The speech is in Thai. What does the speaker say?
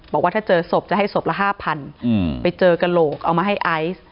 บอกว่าถ้าเจอศพจะให้ศพละ๕๐๐ไปเจอกระโหลกเอามาให้ไอซ์